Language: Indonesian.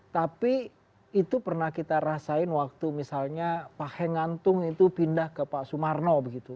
tapi itu pernah kita rasain waktu misalnya pak hengantung itu pindah ke pak sumarno begitu